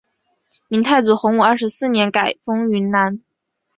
明太祖洪武二十四年改封云南。